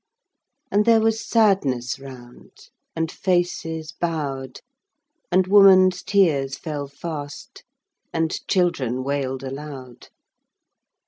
And there was sadness round, and faces bowed, And woman's tears fell fast, and children wailed aloud.